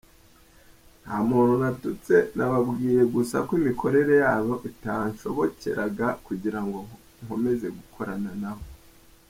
Nta muntu natutse, nababwiye gusa ko imikorere yabo itanshobokeraga kugira ngo nkomeze gukorana nabo.